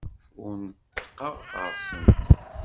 Ur neṭṭqeɣ ɣer-sent.